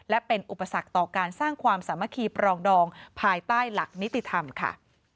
และเป็นอุปสรรคต่อการสร้างความสามัคคีปรองดองภายใต้หลักนิติธรรมค่ะ